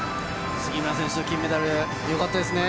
杉村選手、金メダルよかったですね。